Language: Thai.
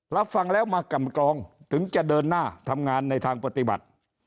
รับฟังแล้วมากำกรองถึงจะเดินหน้าทำงานในทางปฏิบัติ